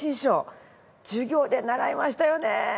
授業で習いましたよね。